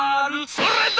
「それだ！